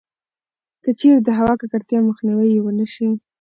کـچـېرې د هوا کـکړتيا مخنيـوی يـې ونـه شـي٫